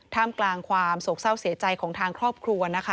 ท่ามกลางความโสกเศร้าเศรษฐ์ใจของทางครอบครัว